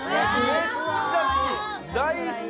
めっちゃ好き！